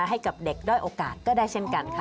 ให้กับเด็กด้อยโอกาสก็ได้เช่นกันค่ะ